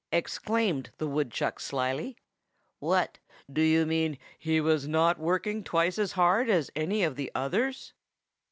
exclaimed the woodchuck slyly. "What! do you mean to say he was not working twice as hard as any of the others?"